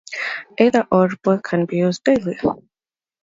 Either or both can be used daily.